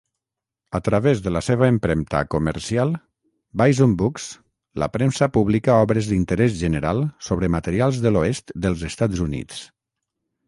A través de la seva empremta comercial, Bison Books, la premsa publica obres d'interès general sobre materials de l'oest dels Estats Units.